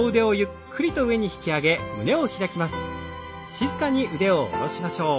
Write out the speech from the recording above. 静かに腕を下ろしましょう。